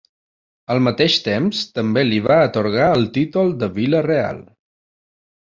Al mateix temps també li va atorgar el títol de vila real.